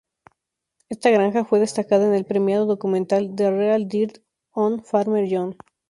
Esta granja fue destacada en el premiado documental "The Real Dirt on Farmer John".